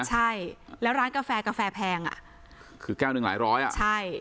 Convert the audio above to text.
ใช่แล้วร้านกาแฟแก้วหนึ่งหลายร้อย